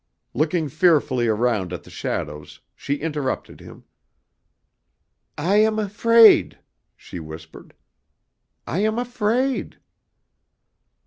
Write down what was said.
Looking fearfully around at the shadows, she interrupted him: "I am afraid," she whispered. "I am afraid!"